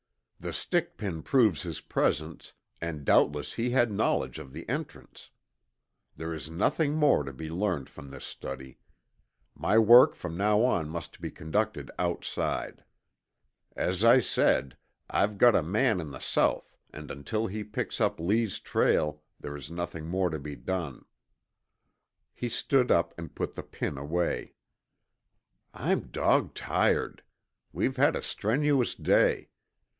"The stick pin proves his presence, and doubtless he had knowledge of the entrance. There is nothing more to be learned from this study. My work from now on must be conducted outside. As I said, I've got a man in the South and until he picks up Lee's trail there is nothing more to be done." He stood up and put the pin away. "I'm dog tired. We've had a strenuous day.